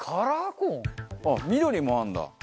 あっ緑もあるんだ。